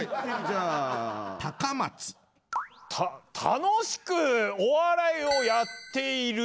楽しくお笑いをやっている。